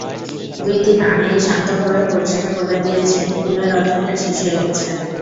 দুই দিন আগেই শান্তভাবে পরিষ্কার বলে দিয়েছেন, পুলের অধ্যায়টা শেষ হয়ে গেছে।